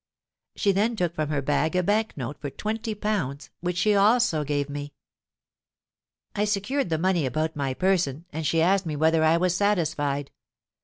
She then took from her bag a Bank note for twenty pounds, which she also gave me. "I secured the money about my person, and she asked me whether I was satisfied?